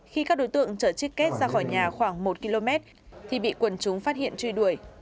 khi các đối tượng chở chiết két ra khỏi nhà khoảng một km thì bị quần chúng phát hiện truy đuổi